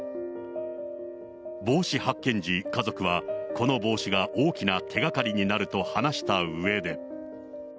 帽子発見時、家族は、この帽子が大きな手がかりになると話したうえで。